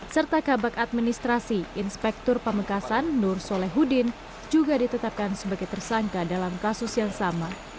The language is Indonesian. serta kabak administrasi inspektur pamekasan nur solehudin juga ditetapkan sebagai tersangka dalam kasus yang sama